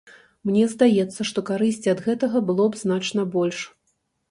Мне здаецца, што карысці ад гэтага было б значна больш.